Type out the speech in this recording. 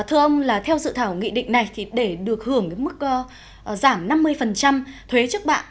thưa ông theo dự thảo nghị định này để được hưởng mức giảm năm mươi thuế trước bạn